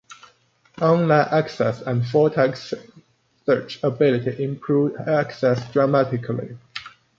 Online access and full-text search ability improved access dramatically.